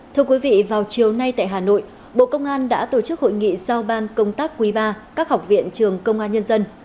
thưa quý vị vào chiều nay tại hà nội bộ công an đã tổ chức hội nghị sao ban công tác quý ba các học viện trường công an nhân dân